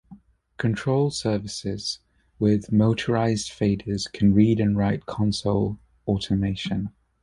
Control surfaces with motorized faders can read and write console automation.